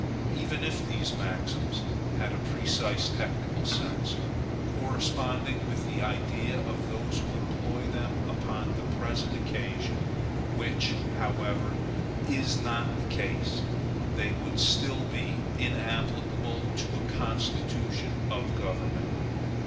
Even if these maxims had a precise technical sense, corresponding with the idea of those who employ them upon the present occasion, which, however, is not the case, they would still be inapplicable to a constitution of government.